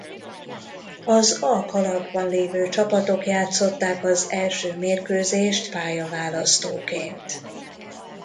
Az A kalapban lévő csapatok játszották az első mérkőzést pályaválasztóként.